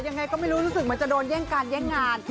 ยังไงก็ไม่รู้รู้สึกมันจะโดนแย่งการแย่งงาน